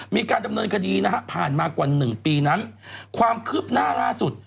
มีการดำเนินคดีนะฮะผ่านมากว่าหนึ่งปีนั้นความคืบหน้าล่าสุด